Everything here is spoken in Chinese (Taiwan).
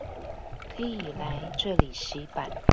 可以來這裡洗版